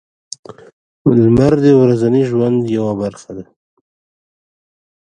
• لمر د ورځني ژوند یوه برخه ده.